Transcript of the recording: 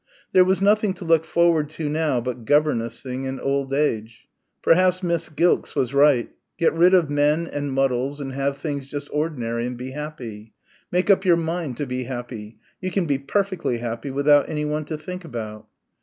There was nothing to look forward to now but governessing and old age. Perhaps Miss Gilkes was right.... Get rid of men and muddles and have things just ordinary and be happy. "Make up your mind to be happy. You can be perfectly happy without anyone to think about...."